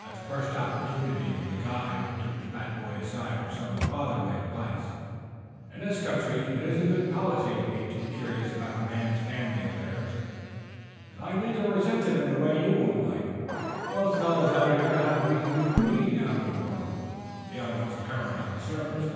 At the first opportunity the guide took the fat boy aside for some fatherly advice. "In this country it isn't good policy to be too curious about a man's family affairs. He's likely to resent it in a way you won't like. Most fellows out here have reasons for being out of the world, beyond what's apparent on the surface."